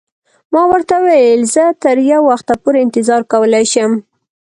ما ورته وویل: زه تر یو وخته پورې انتظار کولای شم.